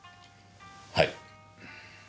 はい。